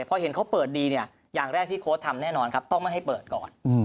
พอเห็นเขาเปิดดีเนี่ยอย่างแรกที่โค้ดทำแน่นอนครับต้องไม่ให้เปิดก่อน